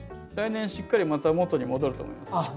来年しっかりまた元に戻ると思います。